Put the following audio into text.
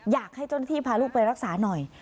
อยากให้จนที่พาลูกไปรักษาหน่อย